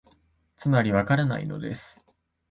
つまり、わからないのです